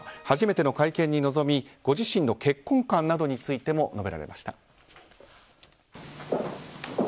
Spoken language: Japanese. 初めての会見に臨みご自身の結婚観についても述べられました。